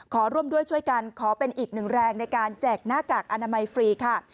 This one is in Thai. ขอร่วมด้วยช่วยกันขอเป็นอีกหนึ่งแรงในการแจกหน้ากากอนามัยฟรีค่ะ